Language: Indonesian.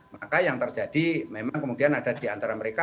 maka yang terjadi memang kemudian ada di antara mereka